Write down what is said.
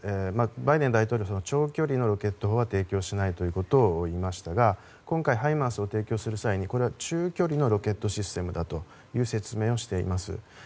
バイデン大統領は長距離のロケット砲は提供しないということをいいましたが今回、ハイマースを提供する際に中距離のロケットシステムという説明をしています。